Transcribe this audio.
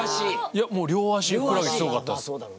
いやもう両足ふくらはぎすごかったです。